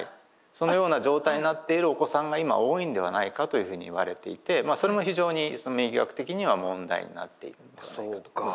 そのような状態になっているお子さんが今多いんではないかというふうにいわれていてそれも非常に免疫学的には問題になっているんではないかと。